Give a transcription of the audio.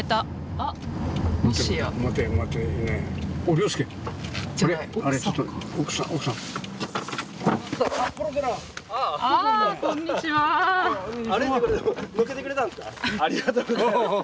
ありがとうございます。